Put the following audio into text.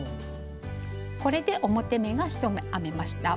これで表目が１目編めました。